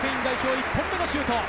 １本目のシュート。